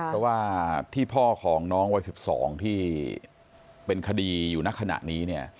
เพราะว่าที่พ่อของน้องวัย๑๒ที่เป็นคดีอยู่ในขณะนี้เนี่ย